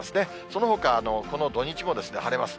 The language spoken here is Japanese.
そのほか、この土日も晴れます。